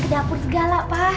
ke dapur segala pa